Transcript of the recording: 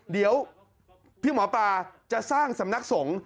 เดี๋ยวพี่หมอปลาจะสร้างสำนักสงฆ์